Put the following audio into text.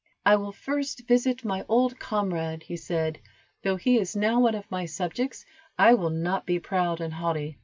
"I will first visit my old comrade," he said, "though he is now one of my subjects, I will not be proud and haughty."